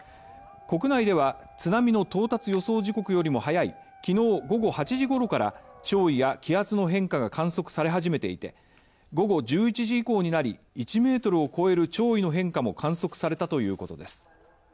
国内では、津波の到達予想時刻よりも早い、きのう午後８時ごろから潮位や気圧の変化が観測され始めていて午後１１時以降になり、１ｍを超える潮位の変化も観測されたということです。